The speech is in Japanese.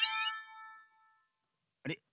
あれ？